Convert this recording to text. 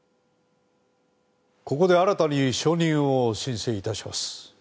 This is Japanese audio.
ここで新たに証人を申請致します。